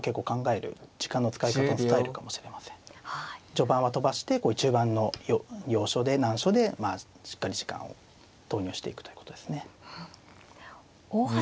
序盤は飛ばして中盤の要所で難所でしっかり時間を投入していくということですね。